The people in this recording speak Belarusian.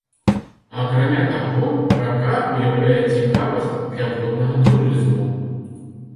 Акрамя таго, рака ўяўляе цікавасць для воднага турызму.